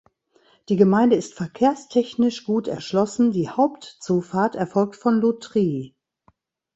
Die Gemeinde ist verkehrstechnisch gut erschlossen, die Hauptzufahrt erfolgt von Lutry.